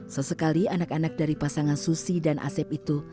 sesekali anak anak dari pasangan susi dan asep itu